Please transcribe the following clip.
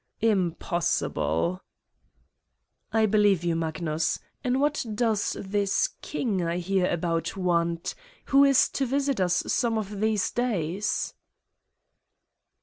"Impossible." "I believe you, Magnus. And what does this 166 Satan's Diary king I hear about want, he who is to visit us some of these days?"